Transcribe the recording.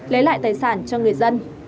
lấy lại tài sản cho người dân